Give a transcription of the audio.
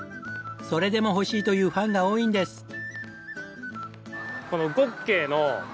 それでも欲しいというファンが多いんです。